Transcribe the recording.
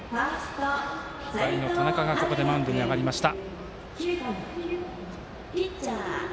３人目の田中がマウンドに上がりました。